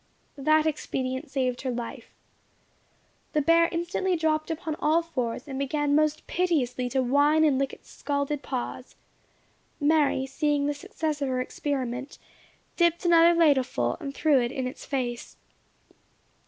That expedient saved her life. The bear instantly dropped upon all fours, and began most piteously to whine and lick its scalded paws. Mary seeing the success of her experiment, dipped another ladle full, and threw it in its face.